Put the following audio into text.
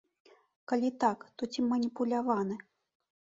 Калі так, то ці маніпуляваны?